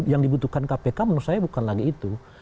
yang dibutuhkan kpk menurut saya bukan lagi itu